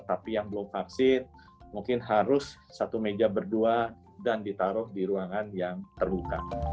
tapi yang belum vaksin mungkin harus satu meja berdua dan ditaruh di ruangan yang terluka